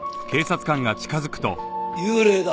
幽霊だ。